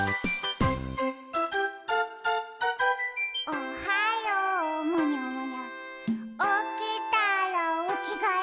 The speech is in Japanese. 「おはようむにゃむにゃおきたらおきがえ」